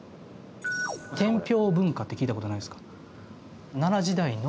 「天平文化」って聞いたことないですか？